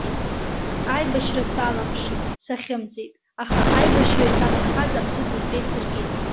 Аибашьра саламԥшит, сахьымӡеит, аха аибашьра иҭанархаз аԥсы дызбеит саргьы.